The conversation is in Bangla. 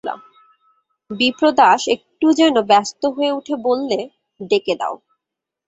বিপ্রদাস একটু যেন ব্যস্ত হয়ে উঠে বললে, ডেকে দাও।